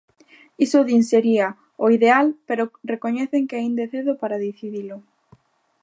Iso, din, sería "o ideal", pero recoñecen que aínda é cedo para decidilo.